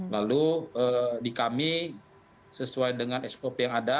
lalu di kami sesuai dengan sop yang ada